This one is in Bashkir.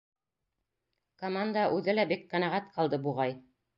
Команда үҙе лә бик ҡәнәғәт ҡалды, буғай.